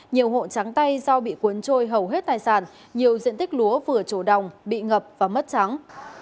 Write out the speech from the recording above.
nhiều hộ trắng tay do bị cuốn trôi hầu hết tài sản nhiều diện tích lúa vừa trổ đồng bị ngập và mất trắng